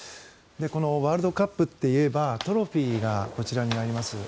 このワールドカップっていえばトロフィーがこちらにあります。